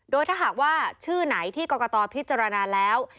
โดยถ้าหากว่าชื่อไหนที่กรกตพิจารณาแล้ว